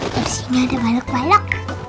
dari sini ada balok balok